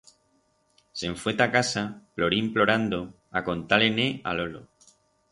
Se'n fue ta casa plorín-plorando a contar-le-ne a lolo.